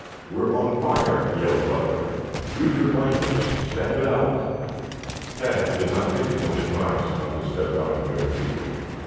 "We are on fire!" yelled Butler. "Use your blankets. Stamp it out!" Tad did not take his own advice not to step out in bare feet.